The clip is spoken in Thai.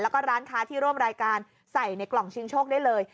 แล้วก็ร้านค้าที่ร่วมรายการใส่ในกล่องชิงโชคได้เลย